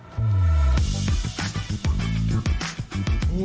ไปเลยครับ